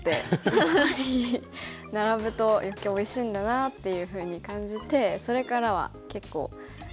やっぱり並ぶと余計おいしいんだなっていうふうに感じてそれからは結構うん。